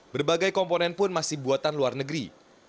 berbagai komponen pun masih buatan luar negeri